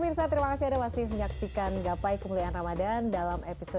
nanti kita bahas lagi deh lebih mendalam ya